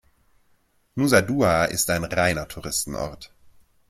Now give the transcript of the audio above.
Nusa Dua ist ein reiner Touristenort.